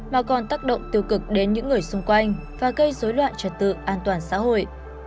mà còn tác động tiêu cực đến những người xung quanh và gây dối loạn trật tự an toàn xã hội